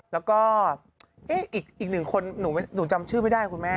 แล้วก็อีกหนึ่งคนหนูจำชื่อไม่ได้คุณแม่